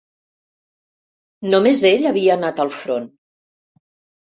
Només ell havia anat al front.